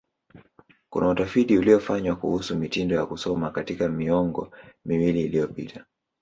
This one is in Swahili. Kuna utafiti uliofanywa kuhusu mitindo ya kusoma katika miongo miwili iliyopita.